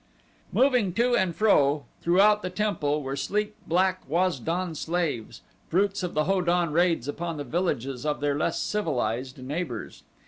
Moving to and fro throughout the temple were sleek black Waz don slaves, fruits of the Ho don raids upon the villages of their less civilized neighbors.